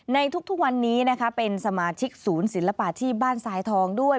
ในทุกวันนี้นะคะเป็นสมาชิกศูนย์ศิลปาชีพบ้านทรายทองด้วย